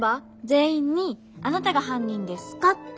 全員に「あなたが犯人ですか？」って。